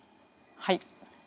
はい。